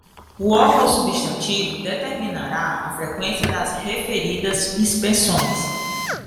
O órgão substantivo determinará a freqüência das referidas inspeções.